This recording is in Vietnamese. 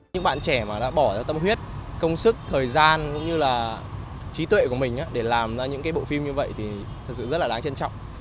những bạn trẻ mà đã bỏ ra tâm huyết công sức thời gian cũng như là trí tuệ của mình để làm ra những bộ phim như vậy thì thật sự rất là đáng trân trọng